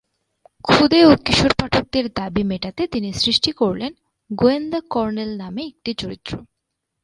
ক্ষুদে ও কিশোর পাঠকদের দাবি মেটাতে তিনি সৃষ্টি করলেন "গোয়েন্দা কর্নেল" নামে একটি চরিত্র।